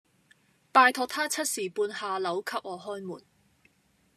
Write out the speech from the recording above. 拜託她七時半下樓給我開門